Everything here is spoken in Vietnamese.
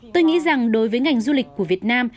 tôi nghĩ rằng đối với ngành du lịch của việt nam